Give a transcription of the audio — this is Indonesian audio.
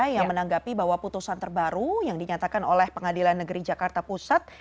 yang menanggapi bahwa putusan terbaru yang dinyatakan oleh pengadilan negeri jakarta pusat